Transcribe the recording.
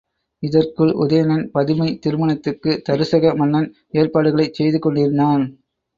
இதற்குள் உதயணன், பதுமை திருமணத்திற்குத் தருசக மன்னன் ஏற்பாடுகளைச் செய்து கொண்டிருந்தான்.